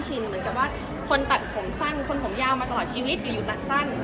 เหมือนกับว่าคนตัดผมสั้นคนผมยาวมาตลอดชีวิตอยู่ตัดสั้น